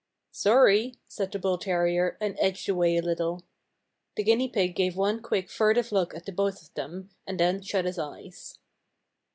"Sorry," said the bull terrier, and edged away a little. The guinea pig gave one quick furtive look at both of them and then shut his eyes.